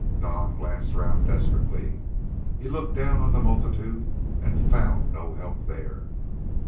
Nam glanced round desperately. He looked down on the multitude and found no help there.